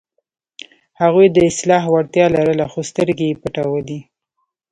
هغوی د اصلاح وړتیا لرله، خو سترګې یې پټولې.